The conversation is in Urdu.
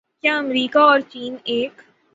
کیا امریکہ اور چین ایک